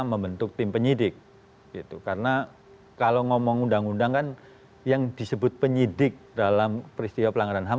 sebuah pelanggaran ham